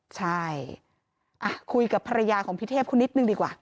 ใช่คุยกับภรรยาของพี่เทพคุณนิดนึงดีกว่า